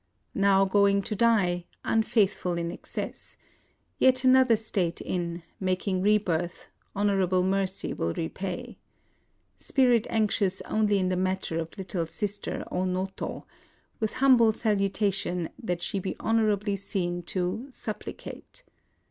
Now going to die, unfaithful in excess ;— yet another state in, making re birth, honorable mercy will repay. Spirit anxious only in the matter of little sister 152 IN OSAKA 0 Noto ;— loith Jiumhle salutation^ that she he honorably seen to^ supplicate.